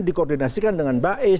dikoordinasikan dengan baez